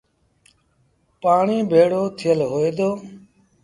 پآڻيٚ ڀيڙو ٿيٚل هوئي دو۔